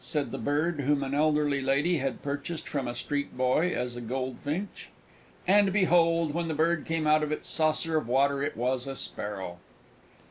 said the Bird whom an elderly Lady had purchased from a Street Boy as a Goldfinch. And behold, when the Bird came out of its saucer of water, it was a Sparrow!